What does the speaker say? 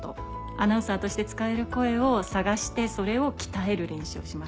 アナウンサーとして使える声を探してそれを鍛える練習をします。